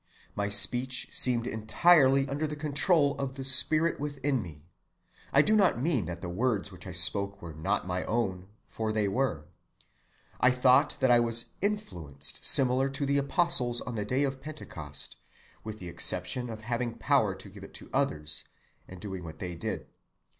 My speech seemed entirely under the control of the Spirit within me; I do not mean that the words which I spoke were not my own, for they were. I thought that I was influenced similar to the Apostles on the day of Pentecost (with the exception of having power to give it to others, and doing what they did).